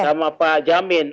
sama pak jamin